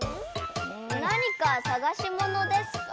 なにかさがしものですか？